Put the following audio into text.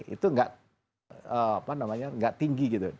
itu gak tinggi gitu